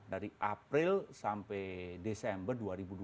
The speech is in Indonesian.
dari april sampai desember dua ribu dua puluh